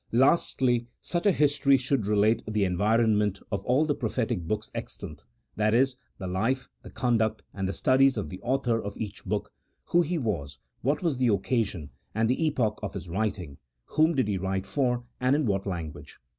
Lastly, such a history should relate the environment of all the prophetic books extant ; that is, the life, the con duct, and the studies of the author of each book, who he was, what was the occasion, and the ejoch of his writing, whom did he write for, and in what language.